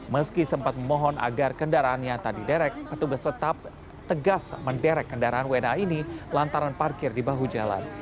meski sempat memohon agar kendaraannya tadi derek petugas tetap tegas menderek kendaraan wna ini lantaran parkir di bahu jalan